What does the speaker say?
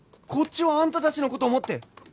こっちはあんたたちのこと思って